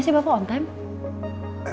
tapi biasanya bapak on time